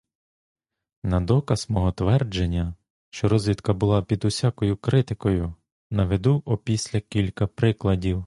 На доказ мого твердження, що розвідка була під усякою критикою, наведу опісля кілька прикладів.